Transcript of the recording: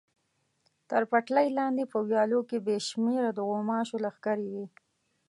تر پټلۍ لاندې په ویالو کې بې شمېره د غوماشو لښکرې وې.